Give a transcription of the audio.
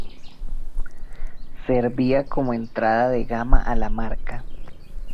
Servía como entrada de gama a la marca.